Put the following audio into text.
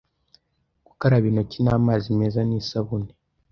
gukaraba intoki n'amazi meza n'isabune